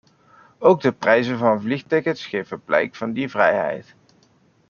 Ook de prijzen van vliegtickets geven blijk van die vrijheid.